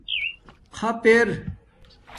خَپ اِر